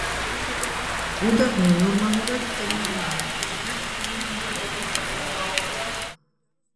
უდაბნო ნორმალურად ტენიანია, რაც კილიმანჯაროს მთის დამსახურებაა.